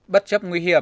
bất chấp nguy hiểm